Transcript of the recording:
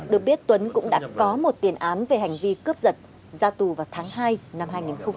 được biết tuấn cũng đã có một tiền án về hành vi cướp giật ra tù vào tháng hai năm hai nghìn hai mươi